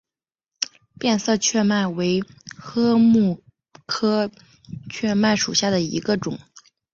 变色雀麦为禾本科雀麦属下的一个种。